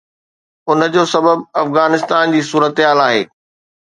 ان جو سبب افغانستان جي صورتحال آهي.